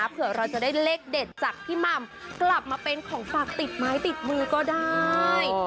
เผื่อเราจะได้เลขเด็ดจากพี่หม่ำกลับมาเป็นของฝากติดไม้ติดมือก็ได้